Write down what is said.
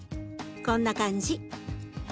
こんな感じ。